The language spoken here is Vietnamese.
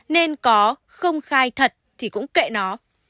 nên có không khai thật thì cũng kệ nó